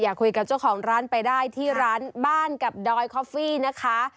คุยกับเจ้าของร้านไปได้ที่ร้านบ้านกับดอยคอฟฟี่นะคะ